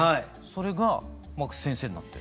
それが先生になって。